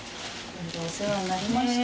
お世話になりました